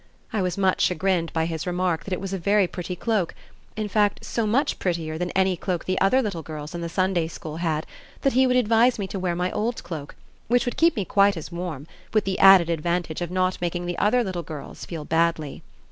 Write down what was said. I was much chagrined by his remark that it was a very pretty cloak in fact so much prettier than any cloak the other little girls in the Sunday School had, that he would advise me to wear my old cloak, which would keep me quite as warm, with the added advantage of not making the other little girls feel badly.